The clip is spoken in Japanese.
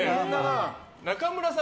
中村さん